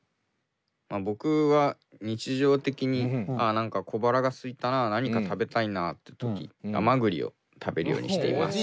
僕は日常的に何か小腹がすいたな何か食べたいなって時甘栗を食べるようにしています。